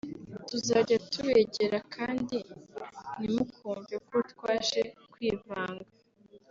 tuzajya tubegera kandi ntimukumve ko twaje kwivanga